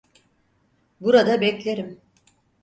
Burada beklerim.